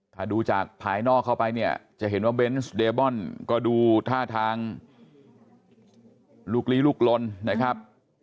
ถ้าดูจากภายนอกเข้าไปเนี่ยจะเห็นว่าเบนส์เดบอนก็ดูท่าทางลูกลีลุกลนนะครับ